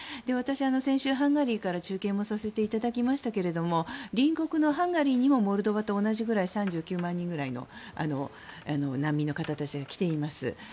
私、先週、ハンガリーから中継もさせていただきましたが隣国のハンガリーにもモルドバと同じぐらい３９万人の難民の方たちが来ています。